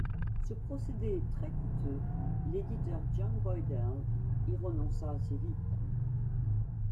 Ce procédé est très couteux, l'éditeur John Boydell y renonça assez vite.